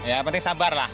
ya yang penting sabar lah